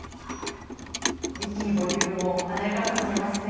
一気にボリュームも華やかさも出ますね。